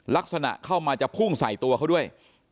ลักษณะเข้ามาจะพุ่งใส่ตัวเขาด้วย